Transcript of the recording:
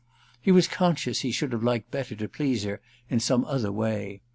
He was conscious he should have liked better to please her in some other way.